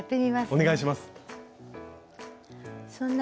お願いします。